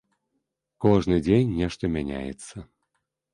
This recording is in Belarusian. Кожны дзень нешта мяняецца.